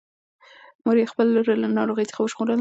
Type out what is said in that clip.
مور یې خپله لور له ناروغۍ څخه ژغورله.